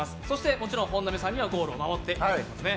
もちろん本並さんにはゴールを守っていただきます。